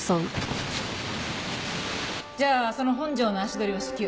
じゃあその本庄の足取りを至急。